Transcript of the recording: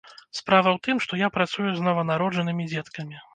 Справа ў тым, што я працую з нованароджанымі дзеткамі.